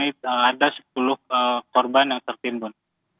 ada sepuluh korban yang tertimbun